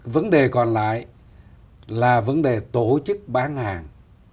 vấn đề còn lại là vấn đề tổ chức bán hàng